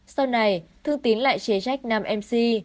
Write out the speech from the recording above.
sau này thương tín lại chế trách nam mc